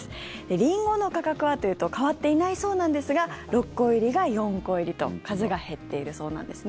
リンゴの価格はというと変わっていないそうなんですが６個入りが４個入りと数が減っているそうなんですね。